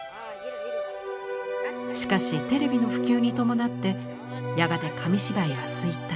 しかしテレビの普及に伴ってやがて紙芝居は衰退。